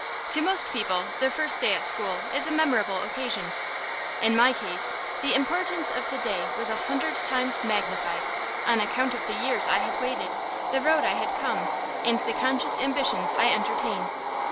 To most people their first day at school is a memorable occasion. In my case the importance of the day was a hundred times magnified, on account of the years I had waited, the road I had come, and the conscious ambitions I entertained.